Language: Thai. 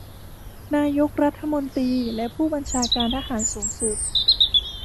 นายกรัฐมนตรีและผู้บัญชาการทหารสูงสุด